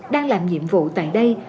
đang làm nhiệm vụ tại đây